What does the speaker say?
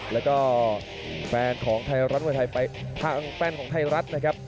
แล้วก็แฟนของไทยรัฐมวยไทยไปทางแฟนของไทยรัฐนะครับ